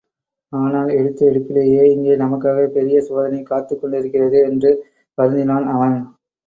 ஆனால், எடுத்த எடுப்பிலேயே இங்கே நமக்காகப் பெரிய சோதனை காத்துக் கொண்டிருக்கிறதே? என்று வருந்தினான் அவன்.